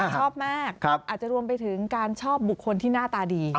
ชอบมากอาจจะรวมไปถึงการชอบบุคคลที่หน้าตาดี